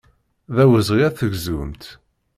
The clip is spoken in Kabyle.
D awezɣi ad tegzumt.